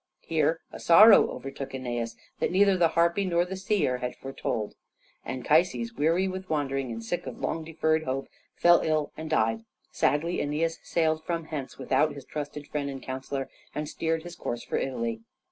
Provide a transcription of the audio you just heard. Here a sorrow overtook Æneas, that neither the harpy nor the seer had foretold. Anchises, weary with wandering and sick of long deferred hope, fell ill and died. Sadly Æneas sailed from hence without his trusted friend and counselor, and steered his course for Italy.